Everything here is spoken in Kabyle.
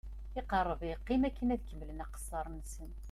Iqerreb yeqqim akken ad kemmlen aqessar-nsen.